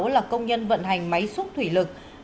là công nhân vận hành máy xúc thủy lực